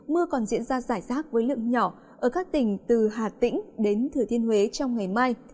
mưa còn diễn ra rải rác với lượng nhỏ ở các tỉnh từ hà tĩnh đến thừa thiên huế trong ngày mai